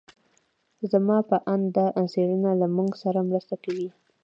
زما په اند دا څېړنه له موږ سره مرسته کوي.